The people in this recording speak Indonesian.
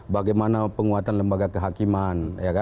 bagaimana penguatan lembaga kehakiman